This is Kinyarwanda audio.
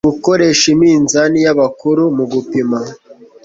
gukoresha iminzani y'abakuru mu gupima